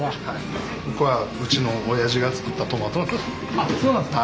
あっそうなんですか！